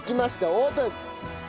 オープン！